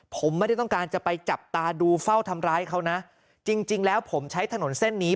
ผมไม่ได้ต้องการจะไปจับตาดูเฝ้าทำร้ายเขานะจริงจริงแล้วผมใช้ถนนเส้นนี้